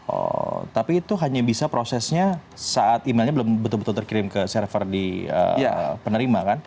oh tapi itu hanya bisa prosesnya saat emailnya belum betul betul terkirim ke server di penerima kan